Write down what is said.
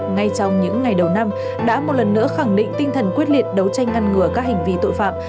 ngay trong những ngày đầu năm đã một lần nữa khẳng định tinh thần quyết liệt đấu tranh ngăn ngừa các hành vi tội phạm